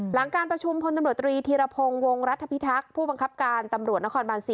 หลังการประชุมพลตำรวจตรีธีรพงศ์วงรัฐพิทักษ์ผู้บังคับการตำรวจนครบาน๔